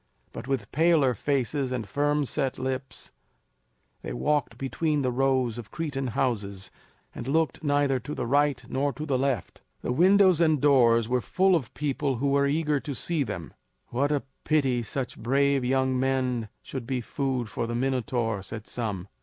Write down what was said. But with paler faces and firm set lips, they walked between the rows of Cretan houses, and looked neither to the right nor to the left. The windows and doors were full of people who were eager to see them. "What a pity that such brave young men should be food for the Minotaur," said some.